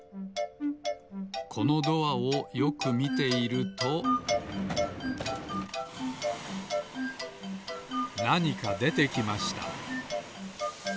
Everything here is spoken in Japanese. このドアをよくみているとなにかでてきました